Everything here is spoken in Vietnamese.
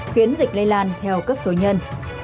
khiến dịch lây lan